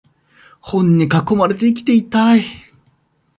本に囲まれて生きていたい